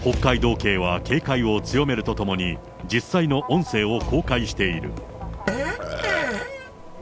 警は警戒を強めるとともに、実際の音声を公開している。